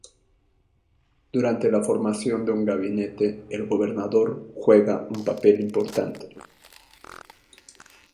Durante la formación de un gabinete, el gobernador juega un papel importante.